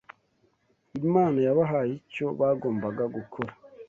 Imana yabahaye icyo bagombaga gukora